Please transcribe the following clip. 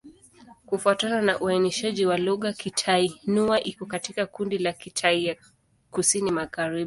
Kufuatana na uainishaji wa lugha, Kitai-Nüa iko katika kundi la Kitai ya Kusini-Magharibi.